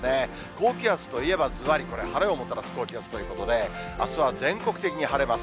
高気圧といえばずばりこれ、晴れをもたらす高気圧ということで、あすは全国的に晴れます。